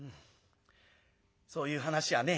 そういう話はね